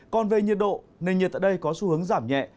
còn về nhiệt độ nền nhiệt tại đây có xu hướng giảm nhẹ